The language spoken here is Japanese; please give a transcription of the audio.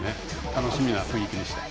楽しみな雰囲気でした。